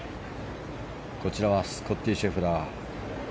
こちらはスコッティ・シェフラー。